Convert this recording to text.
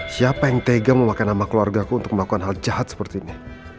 siapa yang tegang memakai nama keluarga ku untuk melakukan hal jahat seperti ini